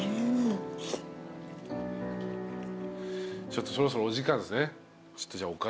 ちょっとそろそろお時間ですね。